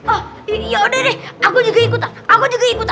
oh yaudah deh aku juga ikutan aku juga ikutan